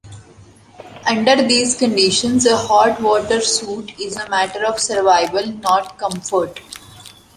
Under these conditions a hot water suit is a matter of survival, not comfort.